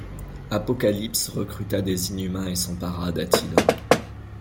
Apocalypse recruta des Inhumains et s'empara d'Attilan.